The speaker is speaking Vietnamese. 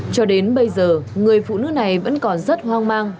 cho đến bây giờ người phụ nữ này vẫn còn rất hoang mang